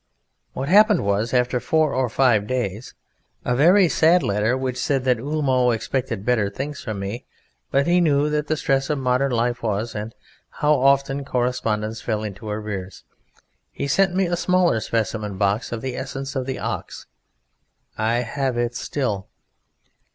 What happened was, after four or five days, a very sad letter which said that Ullmo expected better things from me, but that He knew what the stress of modern life was, and how often correspondence fell into arrears. He sent me a smaller specimen box of the Essence of The Ox. I have it still.